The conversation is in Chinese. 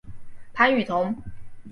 潘雨桐。